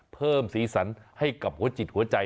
เพิ่มสีสันให้กับหัวจิตหัวใจ